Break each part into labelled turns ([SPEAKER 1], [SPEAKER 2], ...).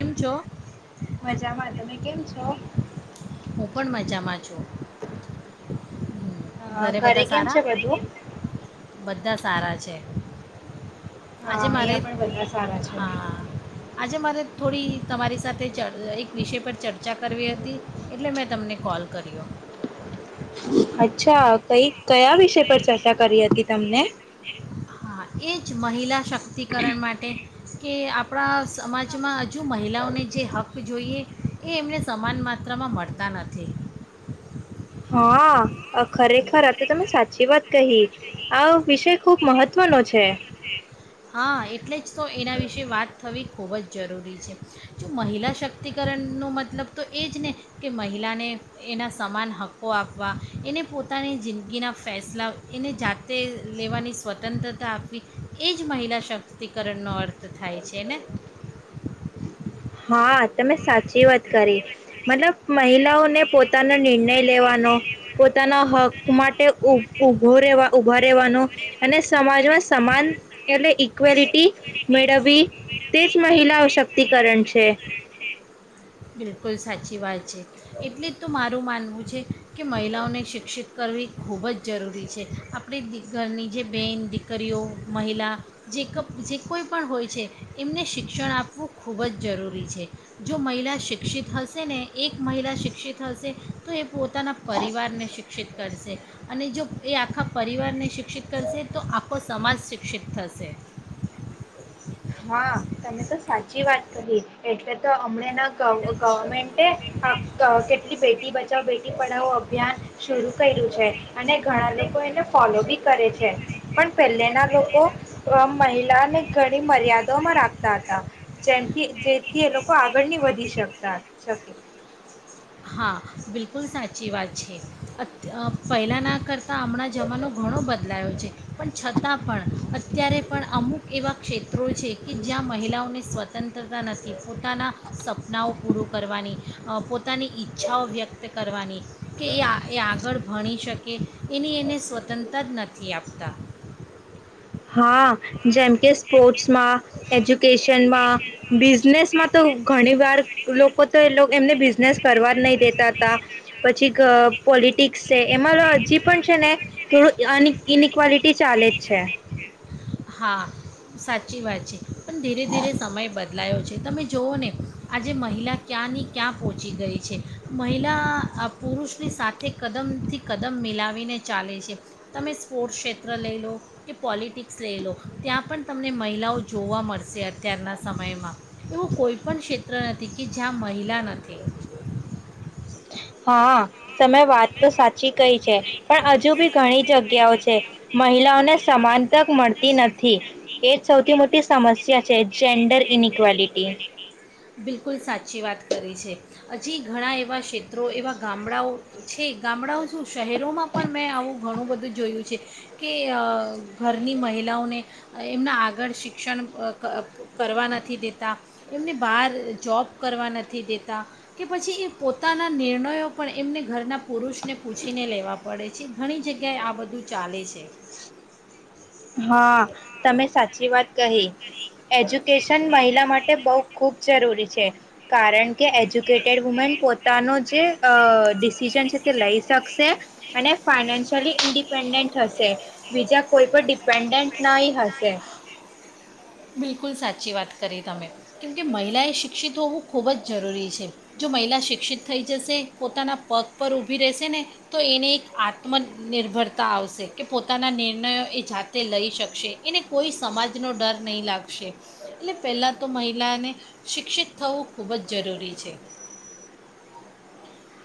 [SPEAKER 1] કેમ છો
[SPEAKER 2] મજામાં તમે કેમ છો? હા.
[SPEAKER 1] હું પણ મજામાં છું, હ
[SPEAKER 2] અ,
[SPEAKER 1] ઘરે બધા
[SPEAKER 2] કેમ છે
[SPEAKER 1] સારા?
[SPEAKER 2] બધું
[SPEAKER 1] બધા સાર છે.
[SPEAKER 2] હા
[SPEAKER 1] આજે મારે
[SPEAKER 2] અહીંયા પણ બધા સારા છે.
[SPEAKER 1] હા આજે મારે થોડી તમારી સાથે ચ એક વિષય પર ચર્ચા કરવી હતી. એટલે મેં તમને કોલ કર્યો.
[SPEAKER 2] અચ્છા. કઈ કયા વિષય પર ચર્ચા કરી હતી? તમને?
[SPEAKER 1] હા એ જ મહિલા શક્તિ. રસ્તિકરણ માટે. કે આપણા સમાજમાં હજુ મહિલાઓને જે હક્ક જોઈએ, એ એમને સમાન માત્રામાં મળતા નથી.
[SPEAKER 2] હા ખરેખર આ તો તમે સાચી વાત કહી, આ વિષય ખૂબ મહત્ત્વનો છે.
[SPEAKER 1] હા, એટલે જ તો એના વિશે વાત થવી ખૂબ જ જરૂરી છે જો મહિલા શક્તિકરણનો મતલબ તો એ જ ને કે મહિલાને એના સમાન હક્કો આપવા એને પોતાની જિંદગીના ફેસલા એને જાતે લેવાની સ્વતંત્રતા આપવી એ જ મહિલા શક્તિકરણનો અર્થ થાય છે ને
[SPEAKER 2] હા તમે સાચી વાત કરી મતલબ મહિલાઓને પોતે પોતાનો નિર્ણય લેવાનો પોતાનો હક માટે એ ઉભો રહેવા ઉભા રહેવાનો અને સમાજ સમાન એટલે ઇક્વેલિટી મેળવી તે જ મહિલા સશક્તિકરણ છે છે
[SPEAKER 1] બિલકુલ સાચી વાત છે એટલે જ તો મારું માનવું છે કે મહિલાઓને શિક્ષિત કરવી ખૂબ જ જરૂરી છે આપણી ઘરની જે બહેન, દીકરીઓ, મહિલા જે ક જે કોઈ પણ હોય છે એમને શિક્ષણ આપવું ખૂબ જ જરૂરી છે જો મહિલા શિક્ષિત હશે ને એક મહિલા શિક્ષિત હશે તો એ પોતાના પરિવારને શિક્ષિત કરશે અને જો એ આખા પરિવારને શિક્ષિત કરશે તો આખો સમાજ શિક્ષિત થશે
[SPEAKER 2] હા તમે તો સાચી વાત કરી એટલે તો હમણાં ના ગવર્મેન્ટે, કેટલી બેટી બચાવો બેટી પઢાવો અભિયાન શરૂ કર્યું છે અને ઘણા લોકો એને ફોલો બી કરે છે, પણ પહેલે ના લોકો મહિલાને ઘણી મર્યાદામાં રાખ જે જેથી એ લોકો આગળની વધી શકતા શકે
[SPEAKER 1] હા, બિલકુલ સાચી વાત છે, પહેલાં ના કરતા હમણાં જમાનો ઘણો બધ બદલાયો છે, પણ છતાં પણ અત્યારે પણ અમુક એવા ક્ષેત્રો છે કે જ્યાં મહિલાઓને સ્વતંત્રતા નથી પોતાના સપનાઓ પૂર કરવાની. પોતાની ઈચ્છાઓ વ્યક્ત કરવાની, કે એ એ આગળ ભણી શકે, એની એને સ્વતંત્ર જ નથી આપતા.
[SPEAKER 2] હા. જેમ કે સ્પોર્ટ્સમાં. એજ. વેકેશનમાં, બી બિઝનેસમાં તો ઘણી વાર લોકો તો એમને બિઝનેસ કરવા જ નહી દેતા હતા, પછી પોલિટિક્સ છે એમાં હજી પણ છે ને, થોડું ઇનક્વાલિટી ચાલે જ છે.
[SPEAKER 1] હા સાચી વાત છે. પણ ધીરે ધીરે સમય બર બદલાયો છે, તમે જુઓ ને આજે મહિલા ક્યાંની ક્યાં પહોંચી ગઈ છે, મહિલા પુરુષની સાથે કદમથી કદમ મિલાવીને ચાલે છે, તમે સ્પોર્ટ્સ ક્ષેત્ર લઈ લો, કે પોલિટિક્સ સ્લેલો, ત્યાં પણ તમને મહિલાઓ જોવા મળશે અત્યારના સમયમાં, એવું કોઈ પણ ક્ષેત્ર નથી કે જ્યાં મહિલા નથી.
[SPEAKER 2] હા. તમે વાત તો સાચી કઈ છે, પણ હજુ બી ઘણી જગ્યાઓ છે, મહિલાઓને સમાન તક મળતી નથી, એજ સૌથી મોટી સમસ્યા છે જેન્ડર ઇનક્વેલિટી.
[SPEAKER 1] બિલકુલ સાચી વાત કરી છે હજી ઘણા એવા ક્ષેત્રો એવા ગામડાઓ છે ગામડાઓ શું શહેરોમાં પણ મેં આવું ઘણું બધું જોયું છે, કે ઘરની મહિલાઓને, એમના આગળ શિક્ષણ કરવા નથી દેતા, એમને બહાર જોબ કરવા નથી દેતા, કે પછી એ પોતાના નિર્ણયો પણ એમને ઘરના પુરુષને પૂછીને લેવા પડે છે ઘણી જગ્યાએ આ બધું ચાલે છે.
[SPEAKER 2] હા, તમે સાચી વાત કહી, એજ્યુકેશન મહિલા માટે બહુ ખૂબ જરૂરી છે કારણ કે એજ્યુકેટેડ વુમેન પોતાનો જે ડિસિઝન છે તે લઈ શકશે અને ફાાઈનાન્શિયલી ઇન્ડિપેન્ડન્ટ થશે બીજા કોઈ પણ ડિપેન્ડેન્ટ નાઇ હશે
[SPEAKER 1] બિલકુલ સાચી વાત કરી તમે કેમકે મહિલાએ શિક્ષિત હોવું ખૂબ જ જરૂરી છે જો મહિલા શિક્ષિત થઈ જશે પોતાના પગ પર ઊભી રહેશે ને તો એને એક આત્મનિર્ભરતા આવશે કે પોતાના નિર્ણયો એ જાતે લઈ શકશે એને કોઈ સમાજનો ડર નહી લાગશે એટલે પહેલા તો મહિલાને શિક્ષિત થવું ખૂબ જ જરૂરી છે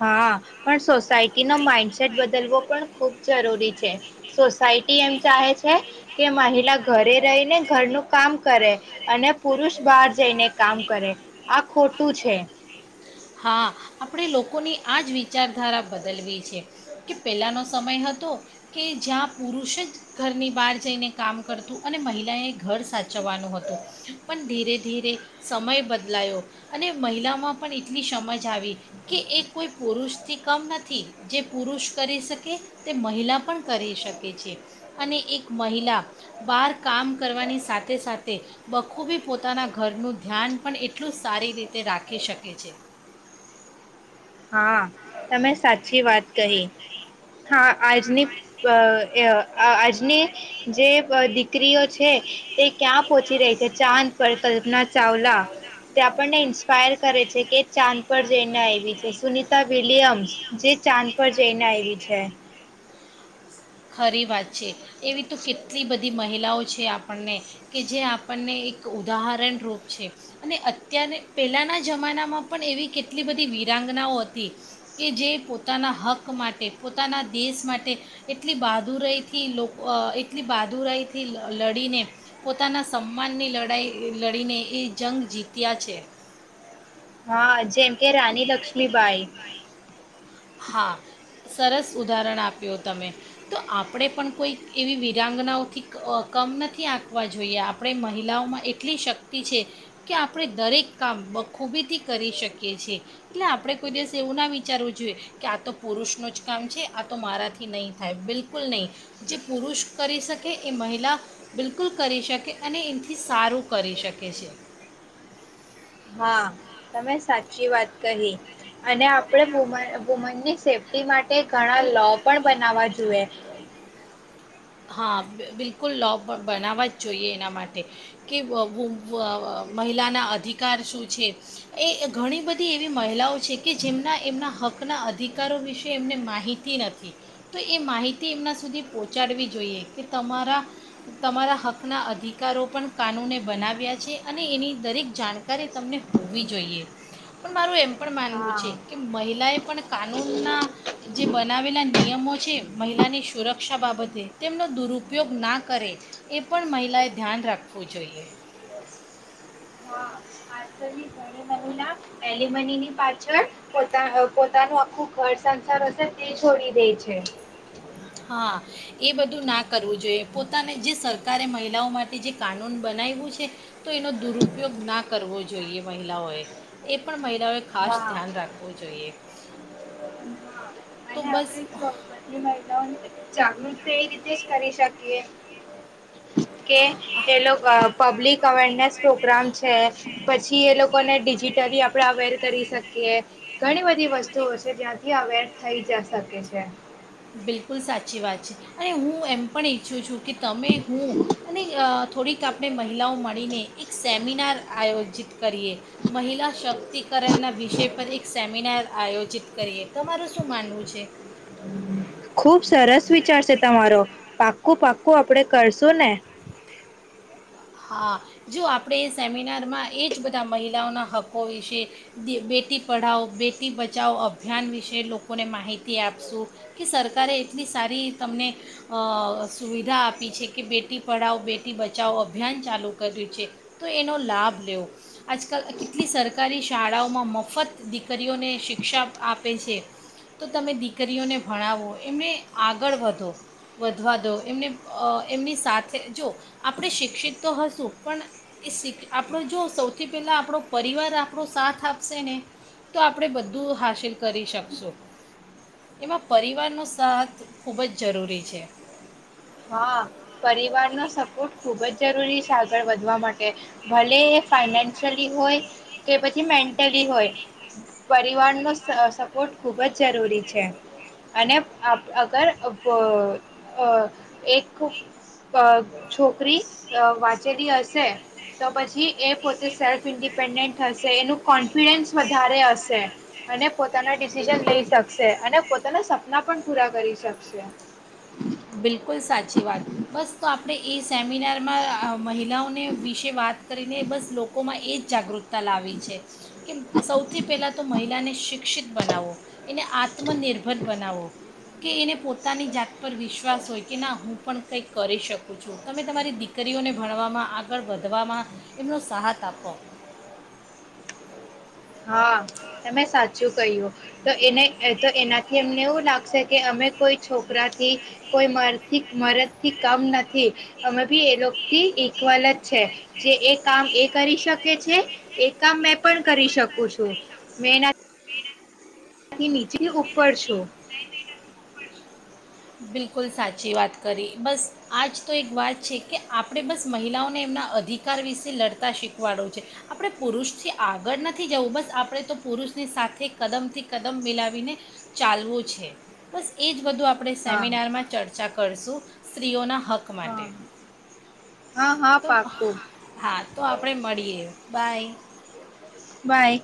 [SPEAKER 2] હા, પણ સોસાયટી નો માઈન્ડસેટ બદલવો પણ ખૂબ જરૂરી છે સોસાયટી એમ ચાહે છે કે મહિલા. ઘરે રહીને ઘરનું કામ કરે અને પુરુષ બહાર‌ જને કામ કરે આ ખોટ તું, છે
[SPEAKER 1] હા, આપણે લોકોની આ જ વિચારધારા બદલવી છે, કે પહેલાંનો સમય હતો કે જ્યાં પુરુષ જ ઘરની બહાર જઈને કામ કરતું અને મહિલાએ ઘર સાચવવાનું હતું પણ ધીરે ધીરે સમય બદલાયો અને મહિલામાં પણ. એટલી સમજ આવી કે એ કોઈ પુરુષથી કમ નથી, જે પુરુષ કરી શકે તે મહિલા પણ કરી શકે છે અને એક મહિલા બહાર કામ કરવાની સાથે સાથે બખૂબી પોતાના ઘરનું ધ્યાન પણ એટલું સારી રીતે રાખી શકે છે
[SPEAKER 2] હા, તમે સાચી વાત કહી, હા આજની આજની, જે દીકરીઓ છે તે ક્યાં પહોંચી રહી છે, ચાંદ પર કલ્પના ચાવલા તે આપણને ફાયર કરે છે કે ચાંદ પર જઈને આઈવી સુનીતા વિલિયમ્સ જે ચાંદ પર જઈને આવી છે
[SPEAKER 1] ખરી વાત છે એવી તો કેટલી બધી મહિલાઓ છે આપણને કે જે આપણને એક ઉદાહરણરૂપ છે અને અત્ય્યારે પહેલાંના જમાનામાં પણ એવી કેટલી બધી વીરાંગનાઓ હતી કે જે પોતાના હક માટે પોતાના દેશ માટે એટલી બહાદુરાઈથી લોકો એટલી બહાદુરાઈથી લડીને પોતાના સન્માનની લડાઈ લડીને એ જંગ જીત્યા છે.
[SPEAKER 2] હા જ. જેમ કે રાની લક્ષ્મીબાઈ.
[SPEAKER 1] હા સરસ ઉદાહરણ આપ્યું તમે તો આપણે પણ કોઈક એવી વીરાંગનાઓથી કમ નથી આંકવા જોઈએ આપણે મહિલાઓમાં એટલી શક્તિ છે કે આપણે દરેક કામ બખૂબીથી કરી શકીએ છીએ એટલે આપણે કોઈ દિવસ એવું ના વિચારવું જોઈએ. કે આ તો પુરુષનું જ કામ છે આ તો મારાથી નહીં થાય બિલકુલ નહીં જે પુરુષ કરી શકે એ મહિલા બિલકુલ કરી શકે અને એનાથી સારું કરી શકે છે.
[SPEAKER 2] હા તમે સાચી વાત કહી અને આપણે વુન વુમનની સેફ્ટી માટે ઘણા લો પણ બનાવવા જોઈએ.
[SPEAKER 1] હા બિલકુલ લો બનાવવા જ જોઈએ એના માટે કે વ વું મહિલાના અધિકાર શું છે એ ઘણી બધી એવી મહિલાઓ છે કે જેમના એમના હકના અધિકારો વિશે એમને માહિતી નથી તો એ માહિતી એમના સુધી પહોંચાડવી. જોઈએ કે તમારા તમારા હકના અધિકારો પણ કાનૂને બનાવ્યા છે અને એની દરેક જાણકારી તમને હોવી જોઈએ પણ મારું એમ પણ માનવું છે
[SPEAKER 2] હા
[SPEAKER 1] કે મહિલાએ પણ કાનૂનના જે બનાવેલા નિયમો છે મહિલાની સુરક્ષા બાબતે. તેમનો દુરુપયોગ ના કરે એ પણ મહિલાએ ધ્યાન રાખવું જોઈએ.
[SPEAKER 2] હા આજકાલની ઘણી મહિલા એલિમનીની પાછળ પોતા પોતાનું આખું ઘર સંસાર હશે તે છોડી દે છે.
[SPEAKER 1] હા એ બધું ના કરવું જોઈએ પોતાને જે સરકારે મહિલાઓ માટે જે કાનૂન બનાવવ્યું છે તો એનો દુરુપયોગ ના કરવો જોઈએ મહિલાઓએ એ પણ મહિલા એટલે હવે ખાસ
[SPEAKER 2] હા
[SPEAKER 1] ધ્યાન રાખવું જોઈએ. તો
[SPEAKER 2] અને
[SPEAKER 1] બસ.
[SPEAKER 2] આપણે સૌ બધી મહિલાઓને જાગૃત તો એ રીતે જ કરી શકીએ. કે એ પબ્લિક અવેરનેસ પ્રોગ્રામ છે પછી એ લોકોને ડિજિટલી આપણે અવેર કરી શકીએ ઘણી બધી. કેટલી વસ્તુઓ છે જ્યાંથી આ વેટ થઈ જ શકે છે.
[SPEAKER 1] બિલકુલ સાચી વાત છે અને હું એમ પણ ઈચ્છું છું કે તમે હું અને અ થોડીક આપણે મહિલાઓ મળીને એક સેમિનાર આયોજિત કરીએ મહિલા શક્તિકરણના વિષય પર એક સેમિનાર આયોજિત કરીએ તમારું શું માનવું છે.
[SPEAKER 2] ખુબ સરસ વિચારશે તમારો, પાક્કું પાક્કું આપડ કરશું ને.
[SPEAKER 1] હા જો આપણે એ સેમિનારમાં એ જ બધા મહિલાઓના હક્કો વિશે, બેટી પઢાઓ બેટી બચાઓ અભિયાન વિશે લોકોને માહિતી આપશું, કે સરકારે એટલી સારી તમને, સુવિધા આપી છે કે બેટી પઢાો બેટી બચા અભિયાન ચાલુ કર્યું છે, તો એનો લાભ લેવો, આજકાલ કેટલી સરકારી શાળાઓમાં મફત દીકરીઓને શિક્ષા આપે છે, તો તમે દીકરીઓને ભણાવો એમને આગળ વધો, વધવા દો એમને એમની સાથે જો આપણે શિક શિક્ષિત તો હશું, પણ એ આપણો જો સૌથી પહેલાં આપણો પરિવાર આપણો સાથ આપશે ને, તો આપણે બધું હાસિલ કરી શકશું, એમાં પરિવારનો સાથ ખૂબ જ જરૂરી છે.
[SPEAKER 2] હા પરિવારનો સપોર્ટ ખૂબ જ જરૂરી છે આગળ વધવા માટે, ભલે એ ફાઈનાન્શિયલી હોય, કે પછી મેન્ટલી હોય, પરિવાર ન સપોર્ટ ખૂબ જ જરૂરી છે, અને અગર એક છોકરી વાંચેલી હશે, તો પછી એ પોતે સેલ્ફ ઇન્ડિપેન્ડન્ટ હશે એનું કોન્ફિડન્સ વધારે હશે, અને પોતાના ડિસિઝન લઈ શકશે અને પોતાના સપના પણ પૂરા કરી શકશે.
[SPEAKER 1] બિલકુલ સાચી વાત, બસ તો આપણે એ સેમિનારમાં મહિલાઓને વિશે વાત કરીને બસ લોકોમાં એ જ જાગૃતતા લાવી છે, કે સૌથી પહેલાં તો મહિલાને શિક્ષિત બનાવો, એને આત્મનિર્ભર બનાવો, કે એને પોતાની જાત પર વિશવ વિશ્વાસ હોય કે ના હું પણ કંઈક કરી શકું છું, તમે તમારી દીકરીઓને ભણવામાં આગળ વધવામાં, એમનો સાહથ આપો.
[SPEAKER 2] હા તમે સાચું કહ્યું, તો એને તો એનાથી અમને એવું લાગશે કે અમે કોઈ છોકરાથી, કોઈથી મર્દથી કમ નથી, અમે બી એ લોકોથી ઇક્વલ જ છે, જે એ કામ એક કરી શકે છે એ કામ મેં પણ કરી શકું છું. મેં ન. થી નીચે ઉપર છું.
[SPEAKER 1] બિલકુલ સાચી વાત કરી બસ આજ તો એક વાત છે કે આપણે બસ મહિલાઓને એમના અધિકાર વિશે લડતા શીખવાડું છે આપણે પુરુષથી આગળ નથી જવું બસ આપણે તો પુરુષની સાથે કદમથી કદમ મિલાવીને ચાલવું છે બસ એ જ બધું આપણે.
[SPEAKER 2] હા
[SPEAKER 1] સેમિનારમાં ચર્ચા કર. કરશું સ્ત્રીઓના હક
[SPEAKER 2] હા
[SPEAKER 1] માટે.
[SPEAKER 2] હા હા
[SPEAKER 1] તો
[SPEAKER 2] પાકોું.
[SPEAKER 1] હા તો આપણે મળીએ બાય.
[SPEAKER 2] બાય.